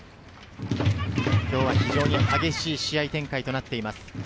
今日は非常に激しい試合展開になっています。